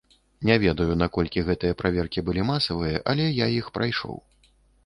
Не ведаю, наколькі гэтыя праверкі былі масавыя, але я іх прайшоў.